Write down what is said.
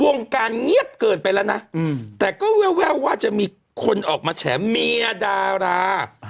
วงการเงียบเกินไปแล้วนะแต่ก็แววว่าจะมีคนออกมาแฉมเมียดารา